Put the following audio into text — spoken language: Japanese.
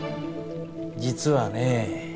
実はね